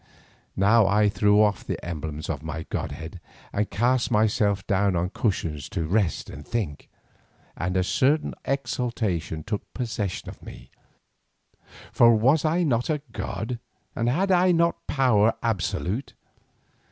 Now I threw off the emblems of my godhead and cast myself down on cushions to rest and think, and a certain exultation took possession of me, for was I not a god, and had I not power almost absolute?